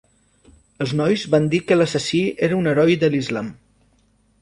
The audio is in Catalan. Els nois van dir que l'assassí era un heroi de l'islam.